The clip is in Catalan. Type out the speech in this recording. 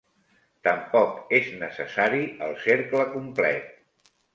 Tampoc és necessari el cercle complet.